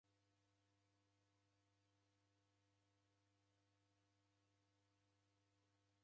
Ni w'ada kukurusikie huw'u? Koghora ngasu?